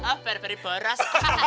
oh peri peri boros